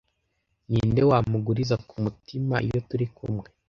ninde wamuguriza kumutima iyo turi kumwe